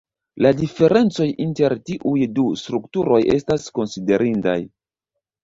La diferencoj inter tiuj du strukturoj estas konsiderindaj.